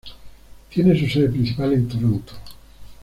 Tiene su sede principal en Toronto.